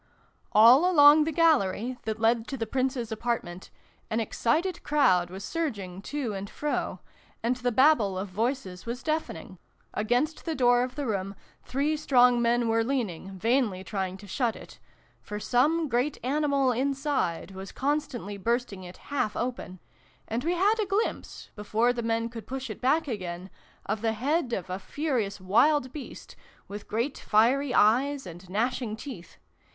All along the gallery, that led to the Prince's apartment, an excited crowd was surging to and fro, and the Babel of voices was deafening : against the door of the room three strong men were leaning, vainly trying to shut it for some great animal inside was constantly bursting it half open, and we had a glimpse, before the men could push it back again, of the head of a furious wild beast, with great fiery eyes and gnashing teeth.